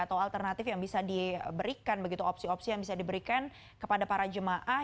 atau alternatif yang bisa diberikan begitu opsi opsi yang bisa diberikan kepada para jemaah